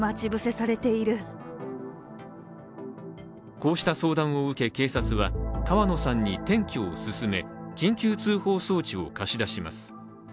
こうした相談を受け警察は川野さんに転居を勧め緊急通報装置を貸し出します。